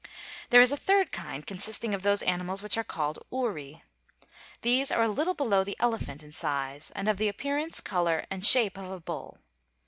There is a third kind, consisting of those animals which are called uri. These are a little below the elephant in size, and of the appearance, color, and shape of a bull.